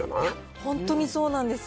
本当にそうなんですよ。